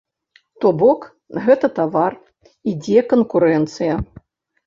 То бок, гэта тавар, ідзе канкурэнцыя.